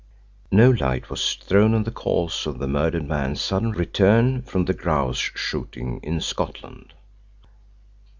No light was thrown on the cause of the murdered man's sudden return from grouse shooting in Scotland.